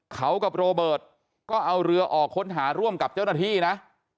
เขากับโรเบิร์ตก็เอาเรือออกค้นหาร่วมกับเจ้าหน้าที่นะ